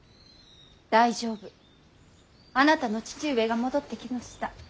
大丈夫あなたの父上が戻ってきました。